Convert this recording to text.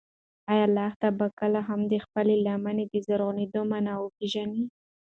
ایا لښتې به کله هم د خپلې لمنې د زرغونېدو مانا وپېژني؟